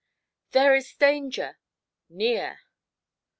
'THERE IS DANGER NEAR!'